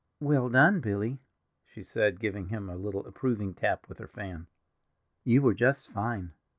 "Well done, Billy," she said, giving him a little approving tap with her fan. "You were just fine."